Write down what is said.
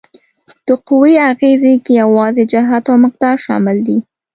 د قوې اغیزې کې یوازې جهت او مقدار شامل دي؟